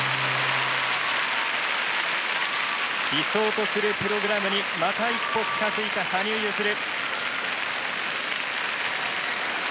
理想とするプログラムにまた一歩近づいた羽生結弦。